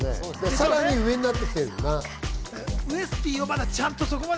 さらに上になってきているという。